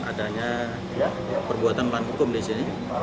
adanya perbuatan melawan hukum di sini